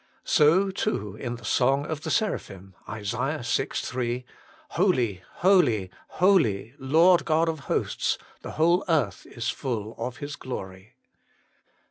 So, too, in the song of the Seraphim (Isa. vi. 3), ' Holy, holy, holy, Lord God of Hosts : the whole earth is full of His ylory.'